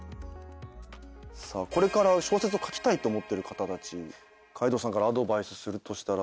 これから小説を書きたいと思ってる方たち海堂さんからアドバイスするとしたら